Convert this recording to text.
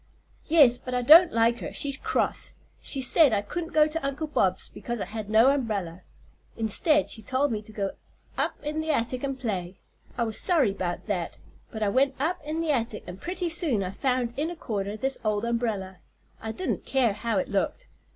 "Yes; but I don't like her; she's cross. She said I couldn't go to Uncle Bob's because I had no umbrella. Instead she told me to go up in the attic and play. I was sorry 'bout that, but I went up in the attic and pretty soon I found in a corner this old umbrella. I didn't care how it looked.